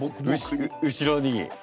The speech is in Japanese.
後ろに。